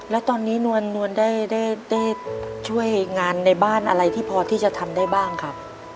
แล้วตอนนี้นวลได้ช่วยงานในบ้านอะไรที่พอที่จะทำได้บ้างครับ